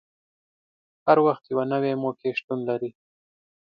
هر وخت یوه نوې موقع شتون لري.